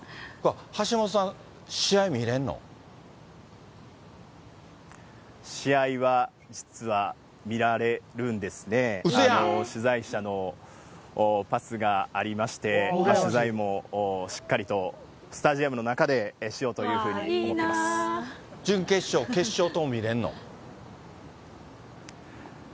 橋本さん、試合は、実は見られるんですね、取材社のパスがありまして、取材もしっかりとスタジアムの中でしようというふうに思っていま準決勝、決勝とも見れんの？